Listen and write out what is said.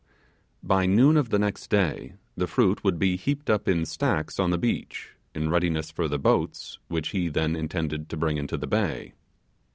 By noon of the next day the fruit would be heaped up in stacks on the beach, in readiness for the boats which he then intended to bring into the bay.